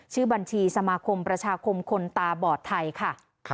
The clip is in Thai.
ชื่อบัญชีสมาคมประชาคมคนตาบอดไทยค่ะ